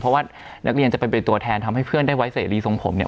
เพราะว่านักเรียนจะเป็นตัวแทนทำให้เพื่อนได้ไว้เสรีทรงผมเนี่ย